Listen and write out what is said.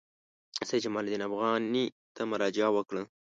سید جمال الدین افغاني ته مراجعه وکړه.